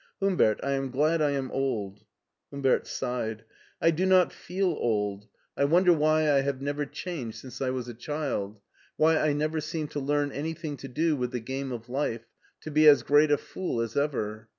Humbert, I am glad I am old." Humbert sighed. "I do not feel old. I wonder i88 MARTIN SCHtJLER why I have never changed since I was a child — ^why I never seem to learn anything to do with the game of life, to be as great a fool as ever.